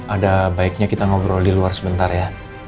ada baiknya kita ngobrol di luar sebentar ya